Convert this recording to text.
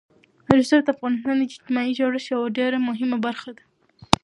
رسوب د افغانستان د اجتماعي جوړښت یوه ډېره مهمه برخه ده.